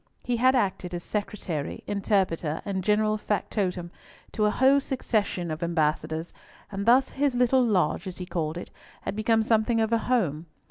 He had acted as secretary, interpreter, and general factotum, to a whole succession of ambassadors, and thus his little loge, as he called it, had become something of a home.